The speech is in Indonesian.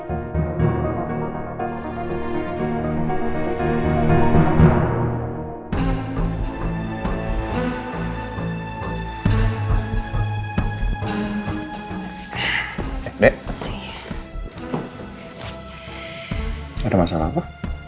ada masalah apa